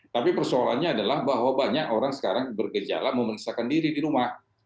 tapi persoalannya adalah bahwa banyak orang sekarang bergejala memeriksakan diri di rumah